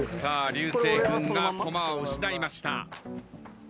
流星君がコマを失いました。